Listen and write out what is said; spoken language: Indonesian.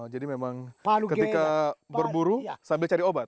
jadi memang ketika berburu sambil cari obat